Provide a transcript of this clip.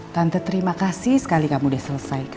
tante terima kasih sekali kamu udah selesaikan ya